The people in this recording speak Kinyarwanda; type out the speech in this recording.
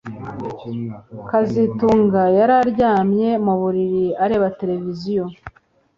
kazitunga yari aryamye mu buriri areba televiziyo